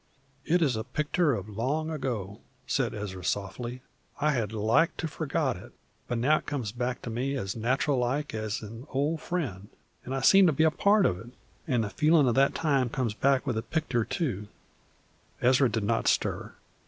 "It is a pictur' of long ago," said Ezra, softly. "I had like to forgot it, but now it comes back to me as nat'ral like as an ol' friend. An' I seem to be a part of it, an' the feelin' of that time comes back with the pictur', too." Ezra did not stir.